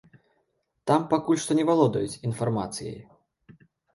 Там пакуль што не валодаюць інфармацыяй.